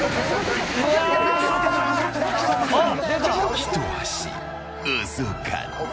ひと足遅かった。